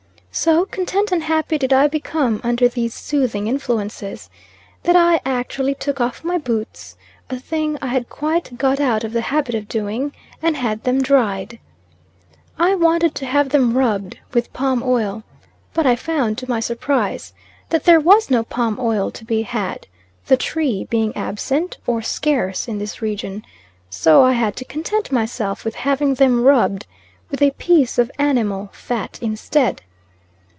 So content and happy did I become under these soothing influences, that I actually took off my boots, a thing I had quite got out of the habit of doing, and had them dried. I wanted to have them rubbed with palm oil, but I found, to my surprise, that there was no palm oil to be had, the tree being absent, or scarce in this region, so I had to content myself with having them rubbed with a piece of animal fat instead.